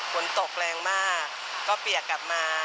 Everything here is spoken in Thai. ฝนตกแรงมากก็เปียกกลับมา